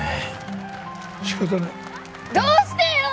どうしてよ！？